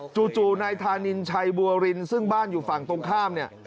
จู่นายธานินชัยบัวรินซึ่งบ้านอยู่ฝั่งตรงข้ามเนี่ย